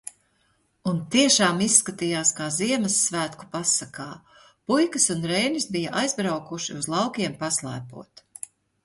Un tiešām izskatījās kā Ziemassvētku pasakā. Puikas un Reinis bija aizbraukuši uz laukiem paslēpot.